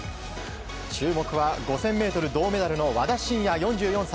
注目は、５０００ｍ銅メダルの和田伸也、４４歳。